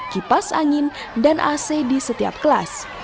kipas angin dan ac di setiap kelas